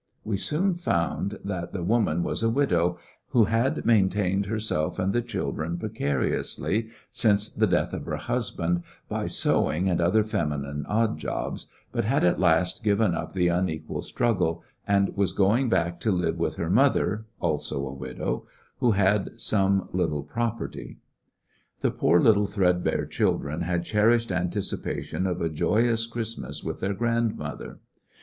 We soon fouud that the woman was a widow who had maintained herself and the children precariously, since the death of her husband, by sewing and other feminine odd jobs, but had at last given ui> the unequal strugglCj and was going back to live with her mother^ aJso a widowj who had some little property* The poor little threadbare children had Disappointment cherished anticipations of a joyous Christmas with their grandmother.